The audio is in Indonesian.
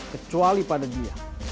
kecuali pada dia